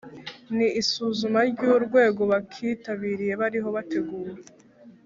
Ni isuzuma ry’urwego abakitabiriye bariho bategura